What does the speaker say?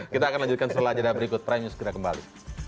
kita akan lanjutkan setelah jadwal berikut prime news segera kembali